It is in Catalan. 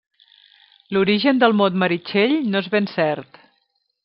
L'origen del mot Meritxell no és ben cert.